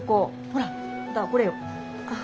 ほらこれよ。